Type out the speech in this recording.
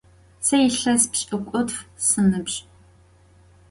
Se yilhes pş'ık'utf sınıbj.